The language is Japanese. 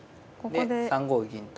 で３五銀と。